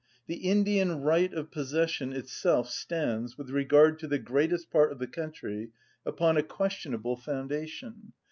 The Indian right of possession itself stands, with regard to the greatest part of the country, upon a questionable foundation.